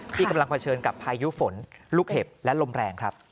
ที่กำลังเผชิญกับพายุฝนลูกเห็บและลมแรงครับ